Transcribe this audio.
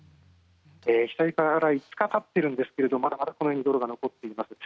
被災から５日たっているんですがまだまだ土が残っています。